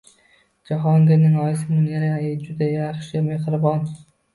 Jahongirning oyisi Munira aya juda yaxshi, mehribon